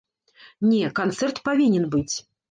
Не, канцэрт павінен быць.